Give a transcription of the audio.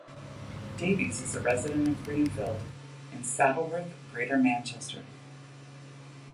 Davies is a resident of Greenfield, in Saddleworth, Greater Manchester.